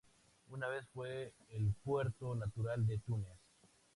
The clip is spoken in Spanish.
Una vez fue el puerto natural de Túnez.